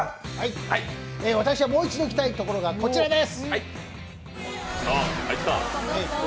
私はもう１度行きたいところがこちらです。